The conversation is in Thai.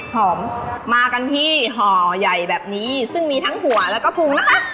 หอมมากันที่ห่อใหญ่แบบนี้ซึ่งมีทั้งหัวแล้วก็พุงนะคะ